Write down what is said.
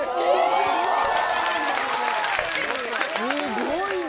すごいな！